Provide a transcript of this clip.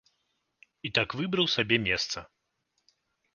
І так выбраў сабе месца.